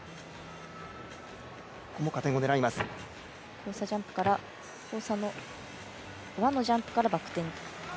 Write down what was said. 交差ジャンプから交差の輪のジャンプからバク転。